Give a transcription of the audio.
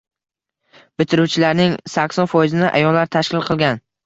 Bitiruvchilarning sakson foizini ayollar tashkil qilgan.